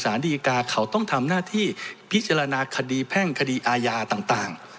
ดีกาเขาต้องทำหน้าที่พิจารณาคดีแพ่งคดีอาญาต่าง